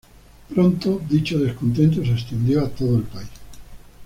Pronto dicho descontento se extendió a todo el país.